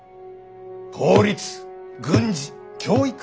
法律軍事教育。